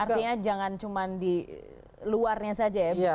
artinya jangan cuma di luarnya saja ya